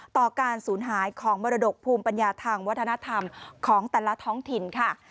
ต่อการสูญหายของมรดกภูมิปัญญาทางวัฒนธรรมของแต่ละท้องถิ่นค่ะ